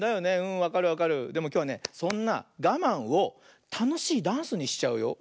でもきょうはねそんながまんをたのしいダンスにしちゃうよ。